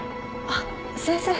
あっ先生。